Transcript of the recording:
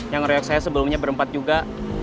yang reok saya sebelumnya berempat juga